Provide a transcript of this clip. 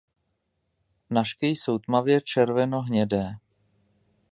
Nažky jsou tmavě červenohnědé.